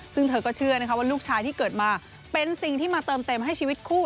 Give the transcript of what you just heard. ซึ่งเธอก็เชื่อนะคะว่าลูกชายที่เกิดมาเป็นสิ่งที่มาเติมเต็มให้ชีวิตคู่